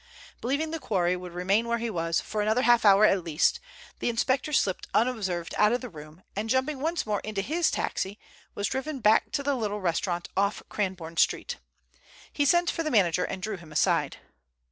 Believing the quarry would remain where he was for another half hour at least, the inspector slipped unobserved out of the room, and jumping once more into his taxi, was driven back to the little restaurant off Cranbourne Street. He sent for the manager and drew him aside.